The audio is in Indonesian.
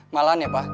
malahan ya pak